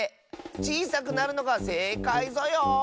ちいさくなるのがせいかいぞよ。